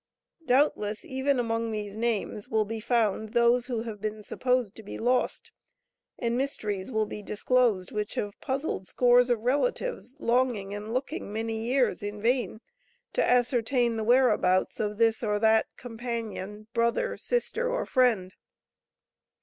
Doubtless, even among these names, will be found those who have been supposed to be lost, and mysteries will be disclosed which have puzzled scores of relatives longing and looking many years in vain to ascertain the whereabouts of this or that companion, brother, sister, or friend.